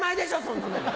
そんなの。